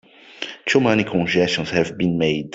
Too many concessions have been made!